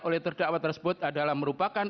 oleh terdakwa tersebut adalah merupakan